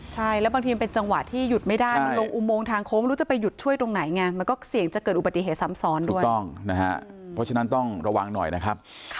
ใช่แล้วบางทีมันเป็นจังหวะที่หยุดไม่ได้ที่ลงอุโมงทางโครบหรือว่า